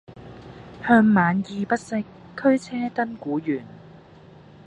向晚意不適，驅車登古原。